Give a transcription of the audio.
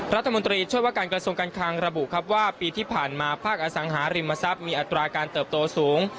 รัฐมนตรีช่วยว่าการกระทรวงการคังระบุครับว่าปีที่ผ่านมาภาคอสังหาริมทรัพย์มีอัตราการเติบโตสูง